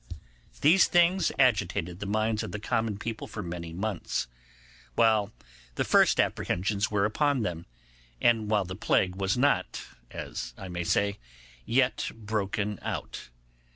These things agitated the minds of the common people for many months, while the first apprehensions were upon them, and while the plague was not, as I may say, yet broken out.